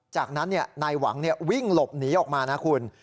จากนั้นนายหวังวิ่งหลบหนีออกมานะคุณ